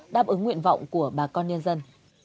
đáp ứng nguyện vọng của bà con nhân dân